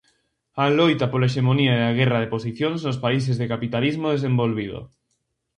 A loita pola hexemonía e a guerra de posicións nos países de capitalismo desenvolvido.